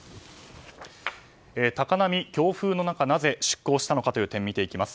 高波、強風の中なぜ出港したのかです。